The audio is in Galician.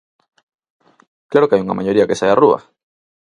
¡Claro que hai unha maioría que sae á rúa!